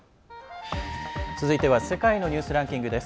続いては「世界のニュースランキング」。